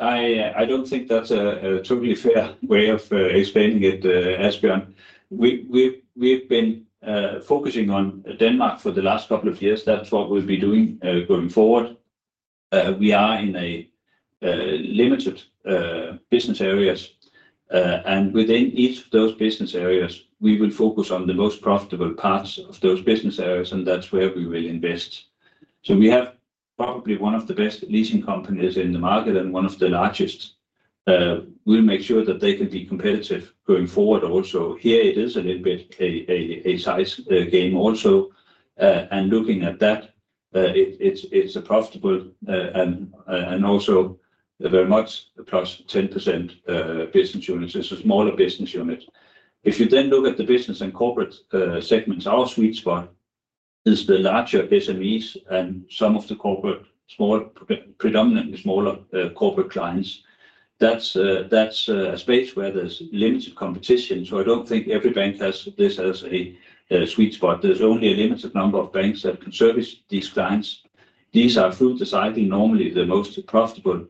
I don't think that's a totally fair way of explaining it, Asbjørn. We've been focusing on Denmark for the last couple of years. That's what we'll be doing going forward. We are in limited business areas. And within each of those business areas, we will focus on the most profitable parts of those business areas, and that's where we will invest. So we have probably one of the best leasing companies in the market and one of the largest. We'll make sure that they can be competitive going forward also. Here, it is a little bit a size game also. And looking at that, it's a profitable and also very much plus 10% business units. It's a smaller business unit. If you then look at the business and corporate segments, our sweet spot is the larger SMEs and some of the corporate, predominantly smaller corporate clients. That's a space where there's limited competition. So I don't think every bank has this as a sweet spot. There's only a limited number of banks that can service these clients. These are through the cycle, normally the most profitable,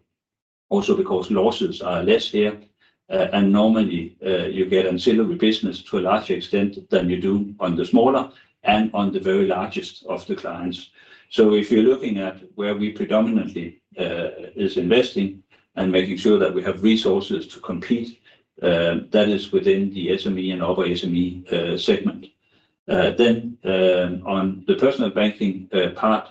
also because losses are less here. And normally, you get ancillary business to a larger extent than you do on the smaller and on the very largest of the clients. So if you're looking at where we predominantly is investing and making sure that we have resources to compete, that is within the SME and other SME segment. Then on the personal banking part,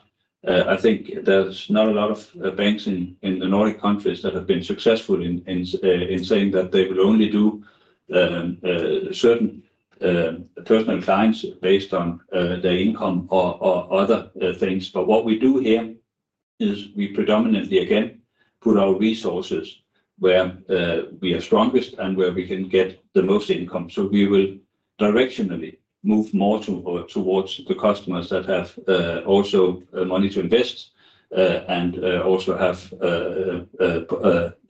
I think there's not a lot of banks in the Nordic countries that have been successful in saying that they will only do certain personal clients based on their income or other things. But what we do here is we predominantly, again, put our resources where we are strongest and where we can get the most income. So we will directionally move more towards the customers that have also money to invest and also have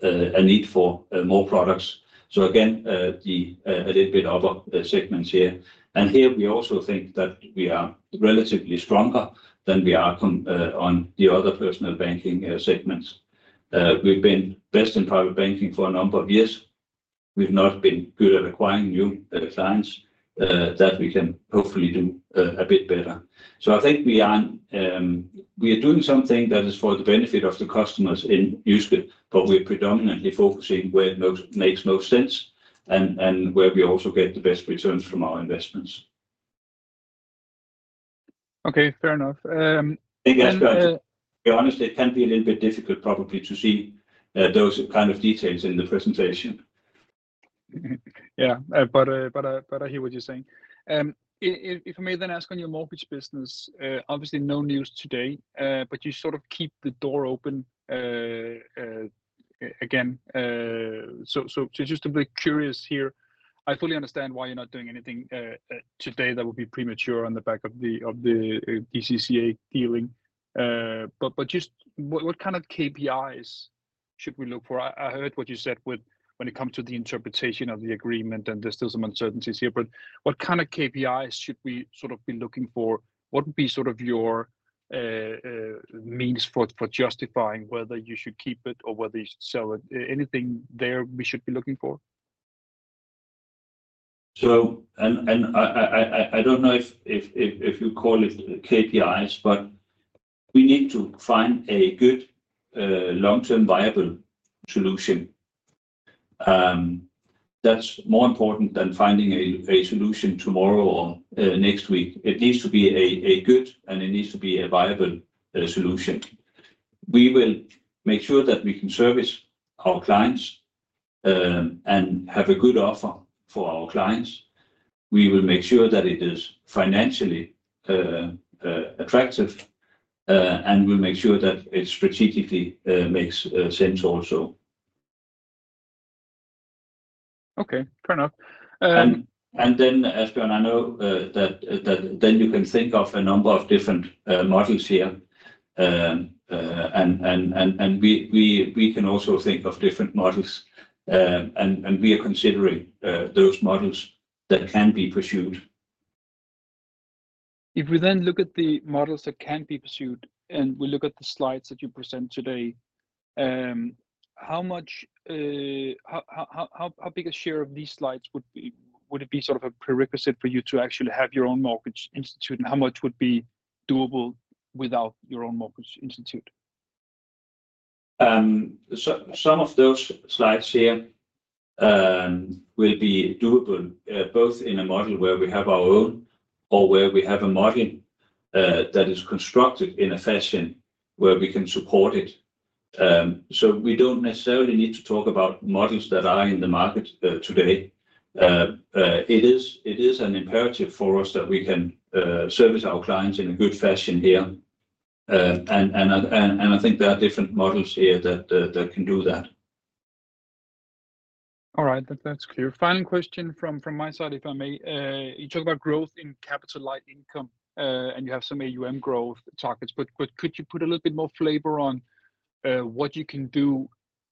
a need for more products. So again, the a little bit other segments here. And here, we also think that we are relatively stronger than we are on the other personal banking segments. We've been best in private banking for a number of years. We've not been good at acquiring new clients that we can hopefully do a bit better. So I think we are doing something that is for the benefit of the customers in Jyske, but we're predominantly focusing where it makes most sense and where we also get the best returns from our investments. Okay. Fair enough. I think, Asbjørn, to be honest, it can be a little bit difficult probably to see those kind of details in the presentation. Yeah. But I hear what you're saying. If I may then ask on your mortgage business, obviously no news today, but you sort of keep the door open again. So just to be curious here, I fully understand why you're not doing anything today that would be premature on the back of the DCCA dealing. But just what kind of KPIs should we look for? I heard what you said when it comes to the interpretation of the agreement, and there's still some uncertainties here. But what kind of KPIs should we sort of be looking for? What would be sort of your means for justifying whether you should keep it or whether you should sell it? Anything there we should be looking for? And I don't know if you call it KPIs, but we need to find a good long-term viable solution. That's more important than finding a solution tomorrow or next week. It needs to be a good, and it needs to be a viable solution. We will make sure that we can service our clients and have a good offer for our clients. We will make sure that it is financially attractive, and we'll make sure that it strategically makes sense also. Okay. Fair enough. And then, Asbjørn, I know that then you can think of a number of different models here. And we can also think of different models, and we are considering those models that can be pursued. If we then look at the models that can be pursued, and we look at the slides that you present today, how big a share of these slides would it be sort of a prerequisite for you to actually have your own mortgage institute, and how much would be doable without your own mortgage institute? Some of those slides here will be doable both in a model where we have our own or where we have a model that is constructed in a fashion where we can support it. So we don't necessarily need to talk about models that are in the market today. It is an imperative for us that we can service our clients in a good fashion here. And I think there are different models here that can do that. All right. That's clear. Final question from my side, if I may. You talk about growth in capital-light income, and you have some AUM growth targets. But could you put a little bit more flavor on what you can do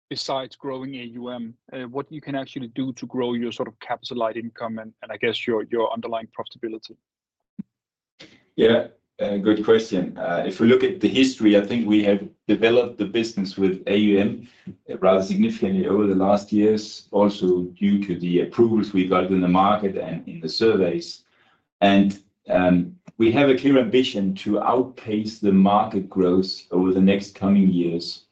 besides growing AUM? What you can actually do to grow your sort of capital-light income and, I guess, your underlying profitability? Yeah. Good question. If we look at the history, I think we have developed the business with AUM rather significantly over the last years, also due to the approvals we've got in the market and in the surveys. And we have a clear ambition to outpace the market growth over the next coming years.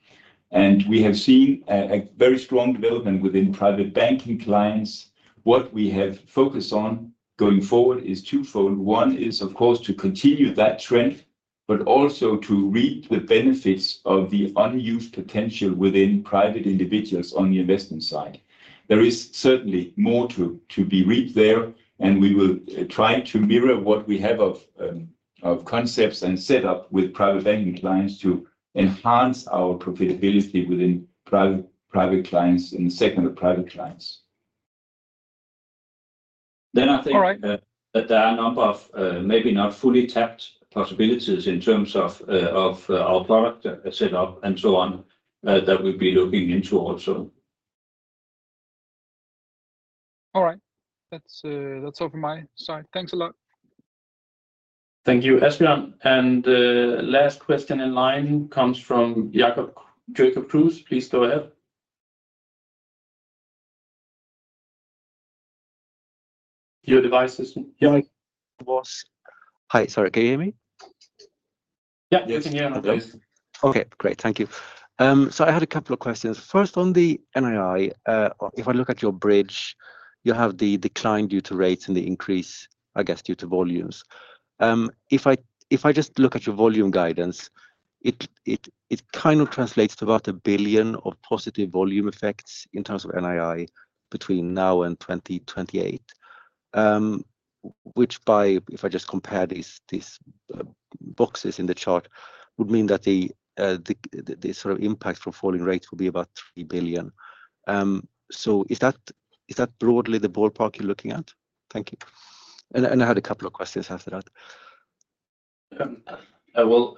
And we have seen a very strong development within private banking clients. What we have focused on going forward is twofold. One is, of course, to continue that trend, but also to reap the benefits of the unused potential within private individuals on the investment side. There is certainly more to be reaped there, and we will try to mirror what we have of concepts and set up with private banking clients to enhance our profitability within private clients and the segment of private clients. Then I think that there are a number of maybe not fully tapped possibilities in terms of our product setup and so on that we'll be looking into also. All right. That's all from my side. Thanks a lot. Thank you, Asbjørn. And last question in line comes from Jacob Kruse. Please go ahead. Your device is— Yeah. Hi. Sorry. Can you hear me? Yeah. You can hear me. Yes. Okay. Great. Thank you. So I had a couple of questions. First, on the NII, if I look at your bridge, you have the decline due to rates and the increase, I guess, due to volumes. If I just look at your volume guidance, it kind of translates to about a billion of positive volume effects in terms of NII between now and 2028, which, if I just compare these boxes in the chart, would mean that the sort of impact from falling rates will be about 3 billion. So is that broadly the ballpark you're looking at? Thank you. And I had a couple of questions after that. Well,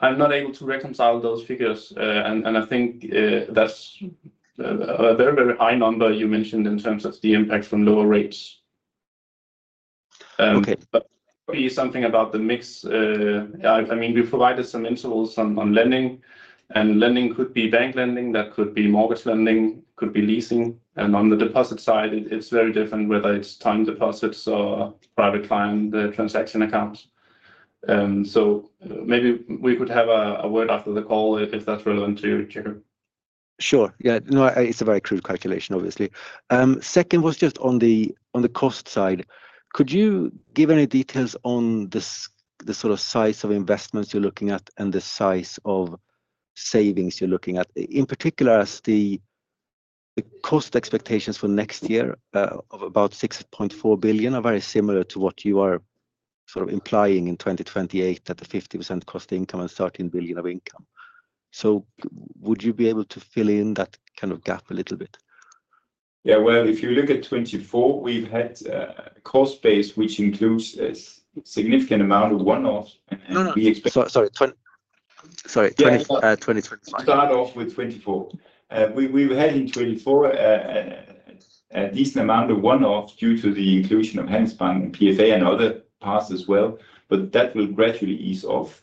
I'm not able to reconcile those figures, and I think that's a very, very high number you mentioned in terms of the impact from lower rates. Probably something about the mix, I mean, we provided some intervals on lending, and lending could be bank lending, that could be mortgage lending, could be leasing. And on the deposit side, it's very different whether it's time deposits or private client transaction accounts. So maybe we could have a word after the call if that's relevant to you, Jacob. Sure. Yeah. No, it's a very crude calculation, obviously. Second was just on the cost side. Could you give any details on the sort of size of investments you're looking at and the size of savings you're looking at? In particular, as the cost expectations for next year of about 6.4 billion are very similar to what you are sort of implying in 2028 at the 50% cost-to-income and 13 billion of income. So would you be able to fill in that kind of gap a little bit? Yeah. Well, if you look at 2024, we've had a cost base which includes a significant amount of one-off, and we expect, Sorry. Sorry. 2025. We'll start off with 2024. We've had in 2024 a decent amount of one-off due to the inclusion of Handelsbanken and PFA and other parts as well, but that will gradually ease off,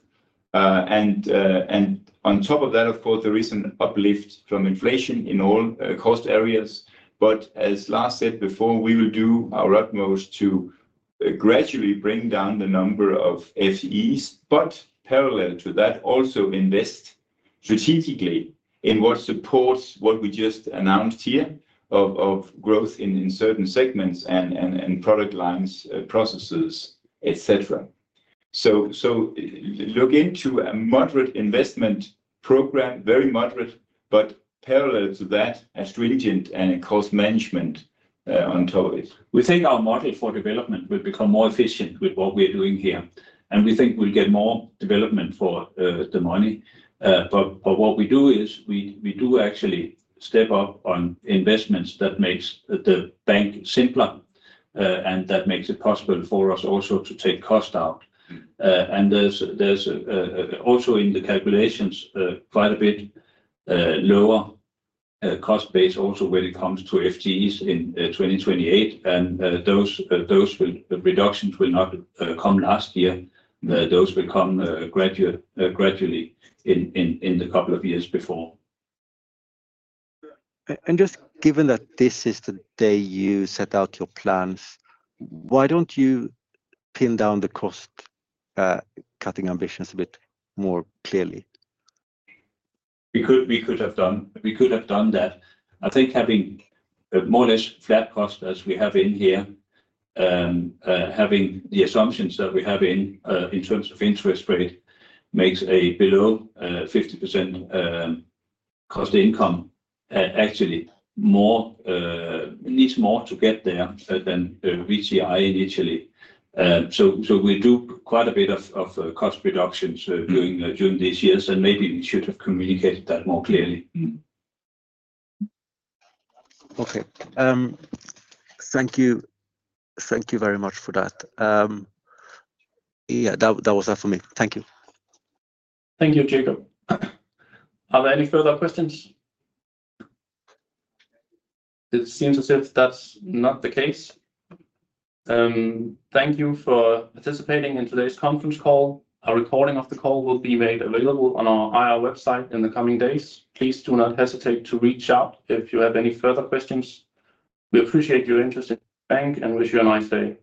and on top of that, of course, there is an uplift from inflation in all cost areas, but as Lars said before, we will do our utmost to gradually bring down the number of FTEs, but parallel to that, also invest strategically in what supports what we just announced here of growth in certain segments and product lines, processes, etc., so look into a moderate investment program, very moderate, but parallel to that, a stringent cost management on top of it. We think our model for development will become more efficient with what we're doing here. And we think we'll get more development for the money. But what we do is we do actually step up on investments that make the bank simpler, and that makes it possible for us also to take cost out. And there's also in the calculations quite a bit lower cost base also when it comes to FTEs in 2028. And those reductions will not come last year. Those will come gradually in the couple of years before. And just given that this is the day you set out your plans, why don't you pin down the cost-cutting ambitions a bit more clearly? We could have done that. I think having more or less flat cost as we have in here, having the assumptions that we have in terms of interest rate makes a below 50% cost/income actually needs more to get there than we see initially. So we do quite a bit of cost reductions during these years, and maybe we should have communicated that more clearly. Okay. Thank you. Thank you very much for that. Yeah. That was it for me. Thank you. Thank you, Jacob. Are there any further questions? It seems as if that's not the case. Thank you for participating in today's conference call. A recording of the call will be made available on our IR website in the coming days. Please do not hesitate to reach out if you have any further questions. We appreciate your interest in the bank and wish you a nice day.